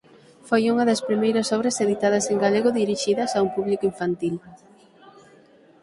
Foi unha das primeiras obras editadas en galego dirixidas a un público infantil.